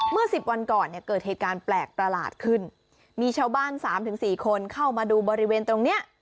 เมื่อ๑๐วันก่อนเกิดเหตุการณ์แปลกตลาดขึ้นมีชาวบ้าน๓๔คนเข้ามาดูบริเวณตรงนี้